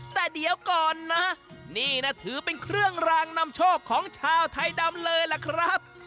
แต่เดี๋ยวก่อนนะนี่นะถือเป็นเครื่องรางนำโชคของชาวไทยดำเลยล่ะครับ